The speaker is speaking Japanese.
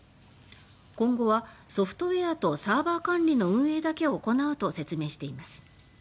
今後はソフトウェアとサーバー管理の運営だけを行うと説明しています。